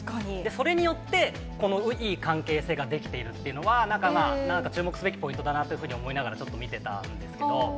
それによって、このいい関係性が出来ているっていうのは、なんか、注目すべきポイントだなというふうに思いながら、ちょっと見てたんですけど。